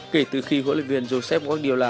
kể từ khi hỗ lực viên josep guardiola